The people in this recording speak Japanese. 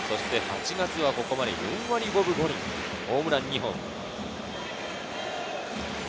８月はここまで４割５分５厘、ホームラン２本。